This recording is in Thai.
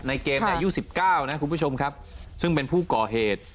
ในเกมอายุ๑๙นะคุณผู้ชมครับซึ่งเป็นผู้ก่อเหตุ